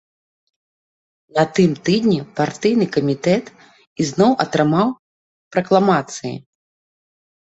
На тым тыдні партыйны камітэт ізноў атрымаў пракламацыі.